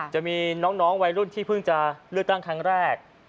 จะมีน้องวัยรุ่นที่เพิ่งจะเลือกตั้งครั้งแรก